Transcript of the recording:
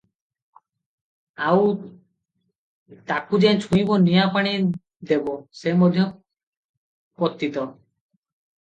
ଆଉ ତାକୁ ଯେ ଛୁଇଁବ, ନିଆଁ ପାଣି ଦେବ, ସେ ମଧ୍ୟ ପତିତ ।